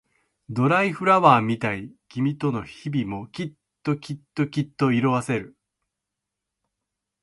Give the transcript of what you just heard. ドライフラワーみたい君との日々もきっときっときっと色あせる